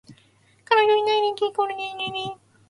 彼女いない歴イコール年齢です